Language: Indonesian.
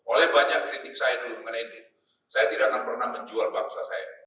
oleh banyak kritik saya dulu mengenai itu saya tidak akan pernah menjual bangsa saya